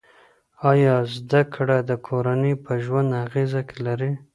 آیا زده کړه د کورنۍ په ژوند اغېزه لري؟